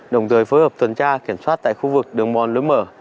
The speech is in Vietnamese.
đồng thời phối hợp tuần tra kiểm soát tại khu vực đường mòn lớn mở